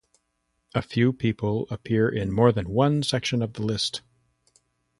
A few people appear in more than one section of the list.